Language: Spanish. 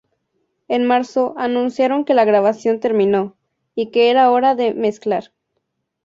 En marzo, anunciaron que la grabación terminó, y que era hora de mezclar.